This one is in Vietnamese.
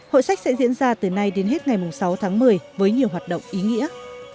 hội sách sẽ diễn ra từ nay đến hết ngày sáu tháng một mươi với nhiều hoạt động ý nghĩa